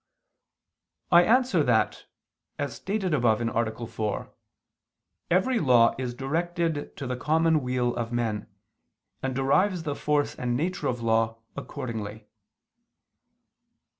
I answer that, As stated above (A. 4), every law is directed to the common weal of men, and derives the force and nature of law accordingly.